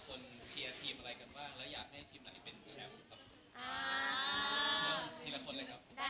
ก็พิมพ์หน่อยคะ